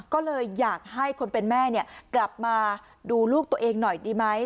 ก็เลยอยากให้คนเป็นแม่กลับมาดูลูกตัวเองหน่อยดีไหม